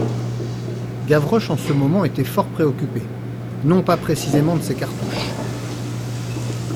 Gavroche en ce moment était fort préoccupé, non pas précisément de ses cartouches.